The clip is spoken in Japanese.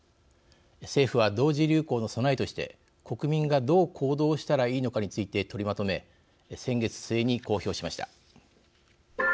政府は同時流行の備えとして国民が、どう行動したらいいのかについて取りまとめ先月末に公表しました。